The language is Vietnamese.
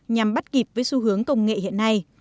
nhằm bắt kịp với xu hướng công nghệ hiện nay